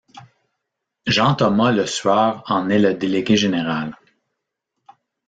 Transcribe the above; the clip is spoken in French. Jean-Thomas Lesueur en est le délégué général.